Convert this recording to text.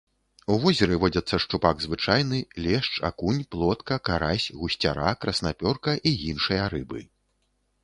У возеры водзяцца шчупак звычайны, лешч, акунь, плотка, карась, гусцяра, краснапёрка і іншыя рыбы.